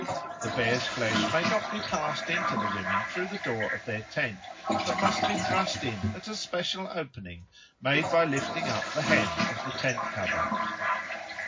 The bear's flesh may not be passed in to the women through the door of their tent, but must be thrust in at a special opening made by lifting up the hem of the tent cover.